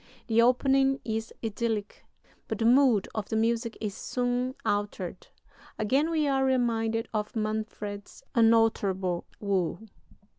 The opening is idyllic, but the mood of the music is soon altered. Again we are reminded of Manfred's unalterable woe.